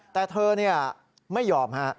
แต่เธอไม่ยอมฮะ